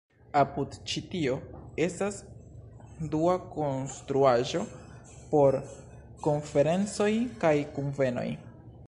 Apud ĉi-tio estas dua konstruaĵo por konferencoj kaj kunvenoj.